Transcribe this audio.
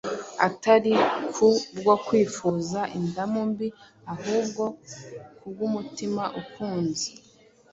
atari ku bwo kwifuza indamu mbi, ahubwo kubw’umutima ukunze;